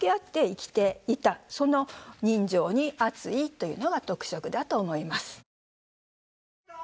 その人情に厚いというのが特色だと思います。